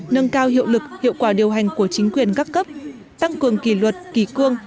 nâng cao hiệu lực hiệu quả điều hành của chính quyền các cấp tăng cường kỳ luật kỳ cương